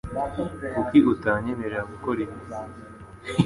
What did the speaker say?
Kuki utanyemerera gukora ibintu